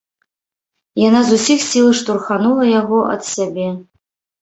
Яна з усіх сіл штурханула яго ад сябе.